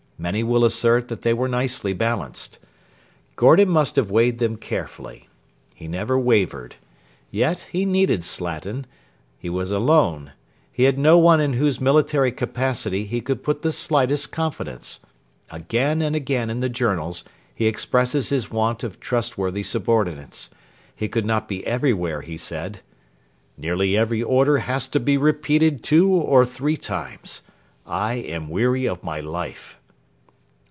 Many will assert that they were nicely balanced. Gordon must have weighed them carefully. He never wavered. Yet he needed Slatin. He was alone. He had no one in whose military capacity he could put the slightest confidence. Again and again in the Journals he expresses his want of trustworthy subordinates. He could not be everywhere, he said. 'Nearly every order has to be repeated two or three times. I am weary of my life.'